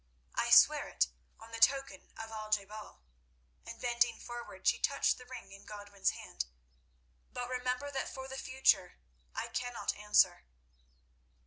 I swear it on the token of Al je bal," and bending forward she touched the ring in Godwin's hand, "but remember that for the future I cannot answer."